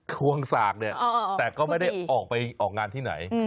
ควงสากเนี่ยแต่ก็ไม่ได้ออกไปออกงานที่ไหน